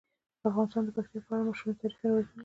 افغانستان د پکتیا په اړه مشهور تاریخی روایتونه لري.